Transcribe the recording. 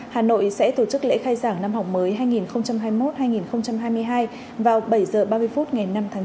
hà nội sẽ tổ chức lễ khai giảng năm học mới hai nghìn hai mươi một hai nghìn hai mươi hai vào bảy h ba mươi phút ngày năm tháng chín